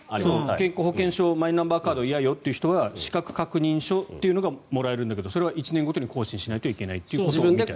健康保険証マイナンバー嫌よという人は資格確認書というのがもらえるんだけどそれは１年ごとに更新しないといけないという。